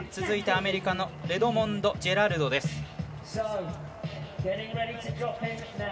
続いてアメリカのレドモンド・ジェラルドです。